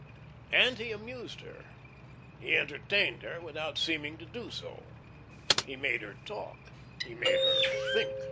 And he amused her, he entertained her without seeming to do so. He made her talk; he made her think.